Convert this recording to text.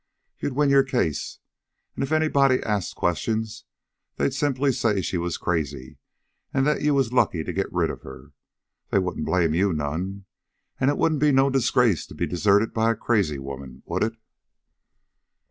You'd win your case. And if anybody asked questions, they'd simply say she was crazy, and that you was lucky to get rid of her. They wouldn't blame you none. And it wouldn't be no disgrace to be deserted by a crazy woman, would it?"